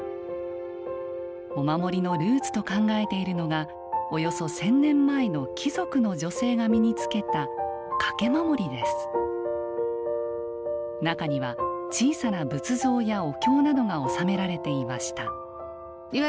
お守りのルーツと考えているのがおよそ１，０００年前の貴族の女性が身につけた中には小さな仏像やお経などが納められていました。